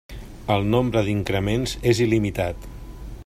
El nombre d'increments és il·limitat.